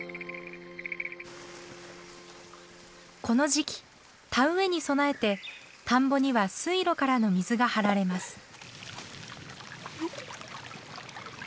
この時期田植えに備えて田んぼには水路からの水が張られます。